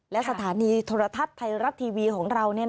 และสถานีโทรทัศน์ไทยรัฐทีวีของเรา